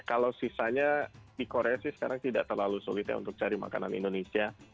kalau sisanya di korea sih sekarang tidak terlalu sulit ya untuk cari makanan indonesia